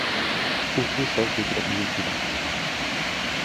Usu sos gutirekin ibilki da.